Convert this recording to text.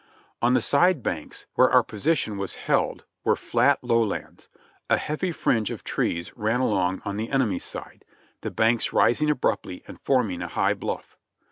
On the side banks where our position was held were fiat, low lands; a heavy fringe of trees ran along on the enemy's side, the banks rising abruptly and forming a high bluff.